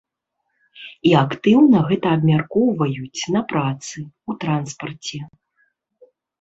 І актыўна гэта абмяркоўваюць на працы, у транспарце.